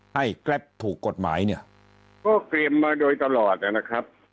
แกรปถูกกฎหมายเนี่ยก็เตรียมมาโดยตลอดนะครับ